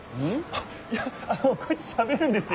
あっいやあのこいつしゃべるんですよ。